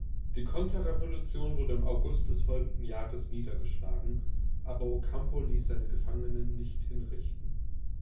Die Konterrevolution wurde im August des folgenden Jahres niedergeschlagen, aber Ocampo ließ seine Gefangenen nicht hinrichten.